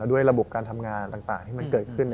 ด้วยระบบการทำงานต่างที่มันเกิดขึ้น